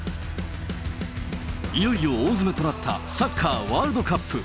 いよいよ大詰めとなったサッカーワールドカップ。